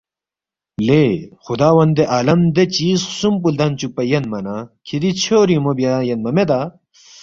”لے خُدا وندِ عالم لہ دے چیز خسُوم پو لدن٘ چُوکپا یَنما نہ کِھری ژھیو رِنگمو بیا یَنما میدا؟